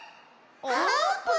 あーぷん！